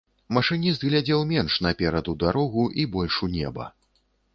Машыніст глядзеў менш наперад у дарогу і больш у неба.